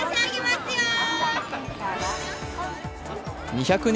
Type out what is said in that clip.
２００年